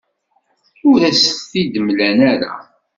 Ur as-tent-id-mlan ara.